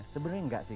sebenernya enggak sih